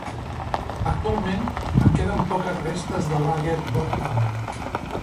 Actualment, en queden poques restes de Lager Borkum.